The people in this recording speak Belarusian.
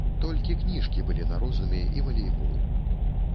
Толькі кніжкі былі на розуме і валейбол.